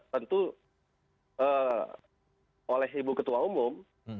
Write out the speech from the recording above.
tentu oleh ibu ketua umum